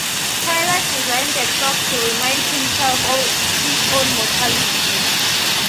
Taylor designed the clock to remind himself of his own mortality.